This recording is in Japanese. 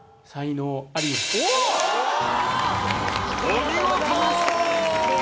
お見事！